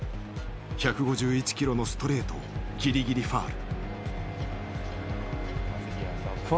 １５１キロのストレートをギリギリファウル。